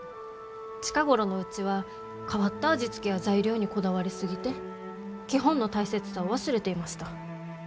近頃のうちは変わった味付けや材料にこだわり過ぎて基本の大切さを忘れていました。